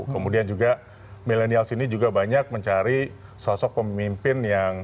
kemudian juga milenial sini juga banyak mencari sosok pemimpin yang